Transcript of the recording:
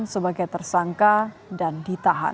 sebagai tersangka dan ditahan